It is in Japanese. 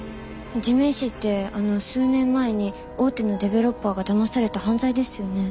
地面師ってあの数年前に大手のデベロッパーがだまされた犯罪ですよね？